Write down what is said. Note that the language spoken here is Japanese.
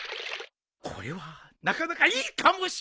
これはなかなかいいかもしれん。